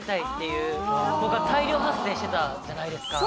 いう子が大量発生してたじゃないですか。